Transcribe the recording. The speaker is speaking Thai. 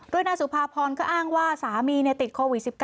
โดยนางสุภาพรก็อ้างว่าสามีติดโควิด๑๙